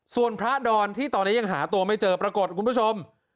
ส่วนพระดอนที่ตอนนี้ยังหาตัวไม่เจอปรากฏคุณผู้ชม